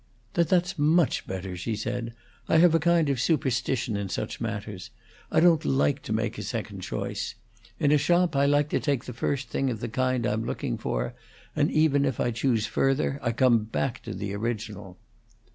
"Then that's much better," she said. "I have a kind of superstition in such matters; I don't like to make a second choice. In a shop I like to take the first thing of the kind I'm looking for, and even if I choose further I come back to the original."